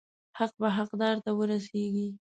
حق به حقدار ته ورسیږي.